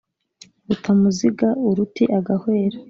rutamuziga uruti agahwera,